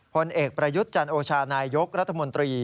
ผลเอกประยุทธ์จันโอชานายยกรัฐมนตรี